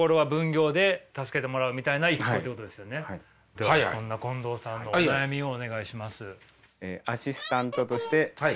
ではそんな近藤さんのお悩みをお願いします。